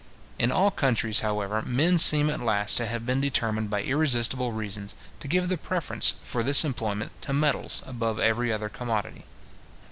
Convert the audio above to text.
In all countries, however, men seem at last to have been determined by irresistible reasons to give the preference, for this employment, to metals above every other commodity.